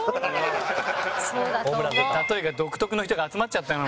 例えが独特の人が集まっちゃったな。